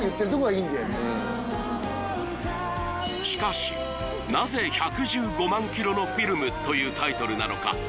しかしなぜ「１１５万キロのフィルム」というタイトルなのか？